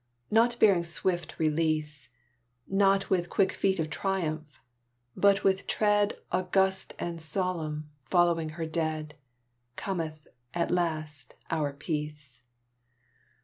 Not bearing swift release, Not with quick feet of triumph, but with tread August and solemn, following her dead, Cometh, at last, our Peace.